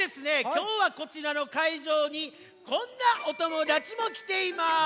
きょうはこちらのかいじょうにこんなおともだちもきています。